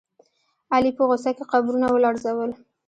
علي په غوسه کې قبرونه ولړزول.